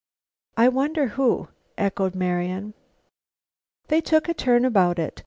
"I wonder who," echoed Marian. They took a turn about it.